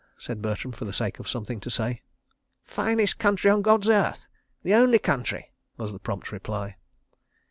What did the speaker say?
said Bertram, for the sake of something to say. "Finest country on God's earth. ... The only country," was the prompt reply.